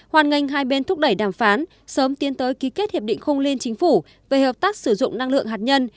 sáu hoan nghênh hai bên thúc đẩy đàm phán sớm tiến tới ký kết hiệp định không liên chính phủ về hợp tác sử dụng năng lượng hạt nhân